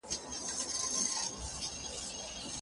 ړوند سړی به له ږیري سره بې ډاره اتڼ وکړي.